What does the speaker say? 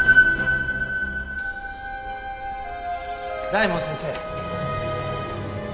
大門先生。